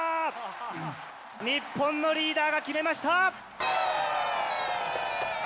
日本のリーダーが決めました。